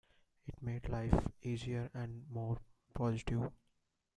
It made life easier and more positive.